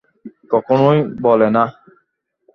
কখনোই বলে না।